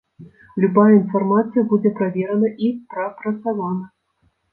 Любая інфармацыя будзе праверана і прапрацавана.